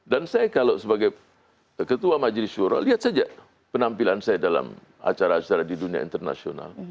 dan saya kalau sebagai ketua majelis shura lihat saja penampilan saya dalam acara acara di dunia internasional